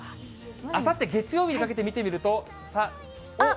あさって月曜日にかけて見てみると、さあ、おっ。